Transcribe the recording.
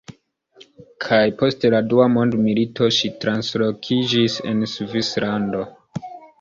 Kaj post la dua mondmilito, ŝi translokiĝis al Svislando.